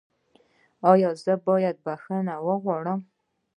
ایا زه باید بخښنه وغواړم؟